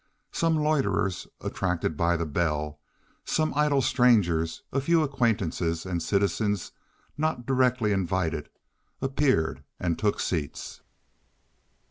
Some loiterers, attracted by the bell, some idle strangers, a few acquaintances and citizens not directly invited appeared and took seats.